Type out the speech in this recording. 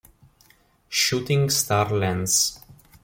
Shooting Star Lens